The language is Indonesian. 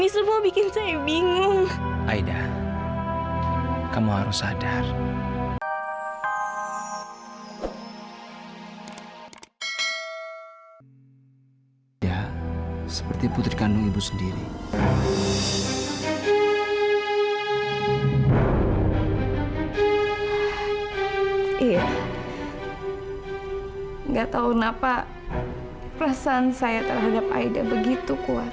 sampai akhirnya suatu saat